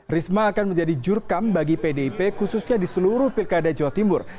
risma akan menjadi jurkam bagi pdip khususnya di seluruh pilkada jawa timur